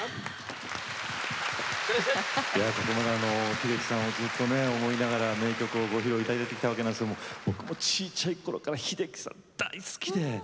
秀樹さんをずっと思いながら名曲をご披露いただいたわけなんですけど僕もちいちゃいころから秀樹さん大好きで。